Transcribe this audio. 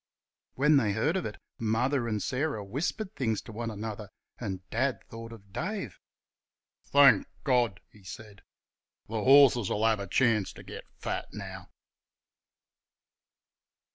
When they heard of it Mother and Sarah whispered things to one another, and Dad thought of Dave. "Thank God!" he said, "th' horses'll have a chance ter get fat now!"